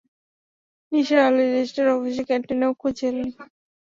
Nisar Ali register অফিসের ক্যান্টিনেও খুঁজে এলেন।